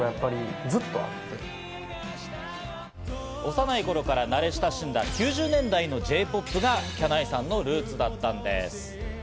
幼い頃から慣れ親しんだ、９０年代のＪ‐ＰＯＰがきゃないさんのルーツだったんです。